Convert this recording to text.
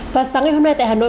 và sáng ngày hôm nay tại hà nội